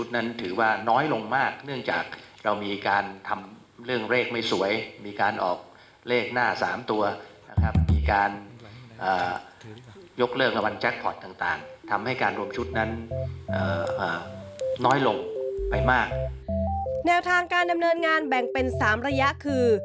แนวทางการดำเนินงานแบ่งเป็น๓ระยะคือ